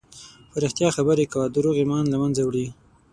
په رښتیا خبرې کوه، دروغ ایمان له منځه وړي.